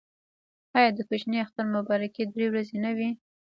آیا د کوچني اختر مبارکي درې ورځې نه وي؟